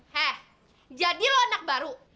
he jadi lo anak baru